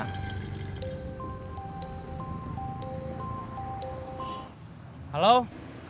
tidak ada apa apa